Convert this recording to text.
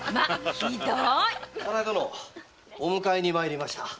早苗殿お迎えに参りました。